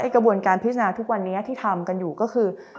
กระบวนการพิจารณาทุกวันนี้ที่ทำกันอยู่ก็คือ